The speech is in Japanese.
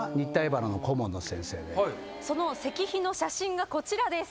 その石碑の写真がこちらです。